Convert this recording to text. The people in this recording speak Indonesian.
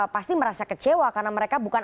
pasti merasa kecewa karena mereka bukan